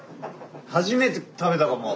初めて食べたかも。